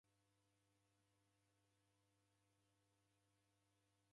Mbari rose richarasimilwa